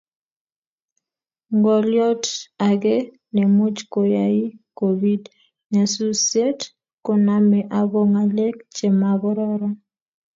ngolyot age nemuch koyaii kobiit nyasusiet koname ago ngalek chemagororon